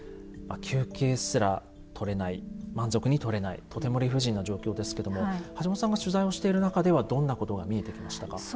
休憩すら取れない満足に取れないとても理不尽な状況ですけども橋本さんが取材をしている中ではどんなことが見えてきましたか？